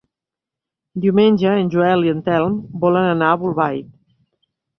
Diumenge en Joel i en Telm volen anar a Bolbait.